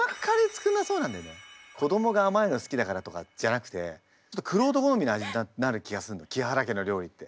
子供が甘いの好きだからとかじゃなくてちょっと玄人好みな味になる気がすんの木原家の料理って。